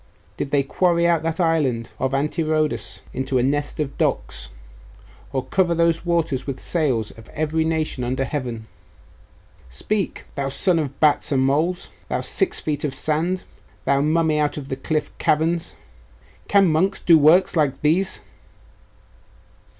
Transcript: Did they quarry out that island of Antirrhodus into a nest of docks, or cover those waters with the sails of every nation under heaven? Speak! Thou son of bats and moles thou six feet of sand thou mummy out of the cliff caverns! Can monks do works like these?